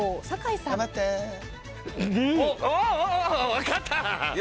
分かった！